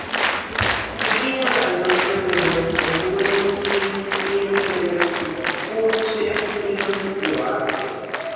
Vivían al norte de los pehuenches y entre los picunches y los huarpes.